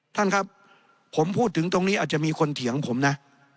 ท่านครับผมพูดถึงตรงนี้อาจจะมีคนเถียงผมนะ